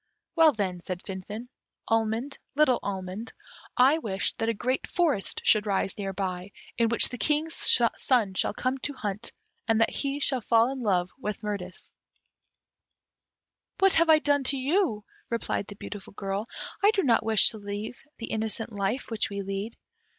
"Well, then," said Finfin, "almond, little almond, I wish that a great forest should rise near here, in which the King's son shall come to hunt, and that he shall fall in love with Mirtis." "What have I done to you," replied the beautiful girl. "I do not wish to leave the innocent life which we lead."